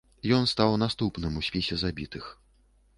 Ён стаў наступным у спісе забітых.